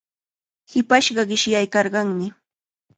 Hipashqa qishyaykarqanmi.